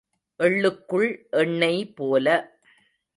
எள்ளுக்குள் எண்ணெய் போல.